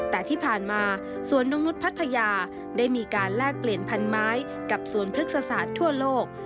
แต่ที่ผ่านมาสวนนกนุษย์พัทยาได้มีการแลกเปลี่ยนพันไม้กับสวนพฤกษศาสตร์ทั่วโลก